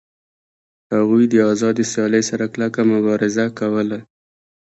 هغوی د آزادې سیالۍ سره کلکه مبارزه کوله